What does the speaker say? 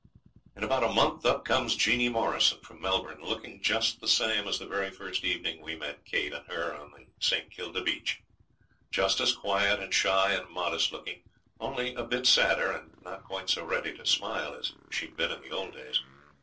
In about a month up comes Jeanie Morrison from Melbourne, looking just the same as the very first evening we met Kate and her on the St. Kilda beach. Just as quiet and shy and modest looking only a bit sadder, and not quite so ready to smile as she'd been in the old days.